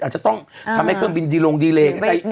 อาจจะต้องทำให้เครื่องบินดีลงดีเลก็ได้